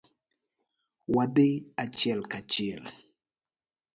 Wadhi achiel kachiel.